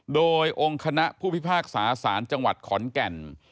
โดยองค์คณะผู้พิพากษาสารจังหวัดขอนแก่น